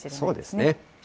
そうですね。